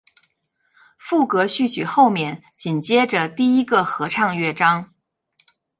赋格序曲后面紧接着第一个合唱乐章。